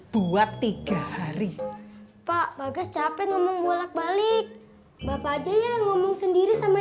buat tiga hari pak bagas capek ngomong bolak balik bapak aja ya ngomong sendiri sama